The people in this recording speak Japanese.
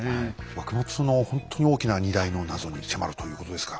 幕末のほんとに大きな２大の謎に迫るということですか。